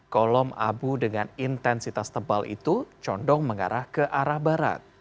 kolom abu dengan intensitas tebal itu condong mengarah ke arah barat